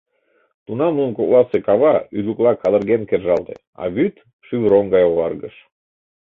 Тунам нунын кокласе кава ӱлыкыла кадырген кержалте, а вӱд шӱвыроҥ гай оваргыш.